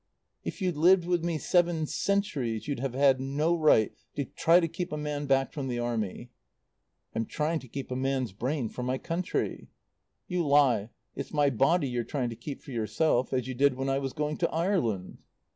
"If you'd lived with me seven centuries you'd have had no right to try to keep a man back from the Army." "I'm trying to keep a man's brain for my country." "You lie. It's my body you're trying to keep for yourself. As you did when I was going to Ireland."